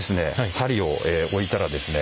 針を置いたらですね